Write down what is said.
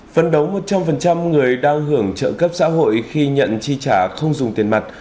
phân đấu một trăm linh người đang hưởng trợ cấp xã hội khi nhận chi trả không dùng tiền mặt